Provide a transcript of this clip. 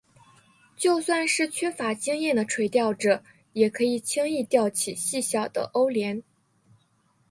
就算是缺乏经验的垂钓者也可以轻易钓起细小的欧鲢。